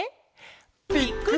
ぴっくり！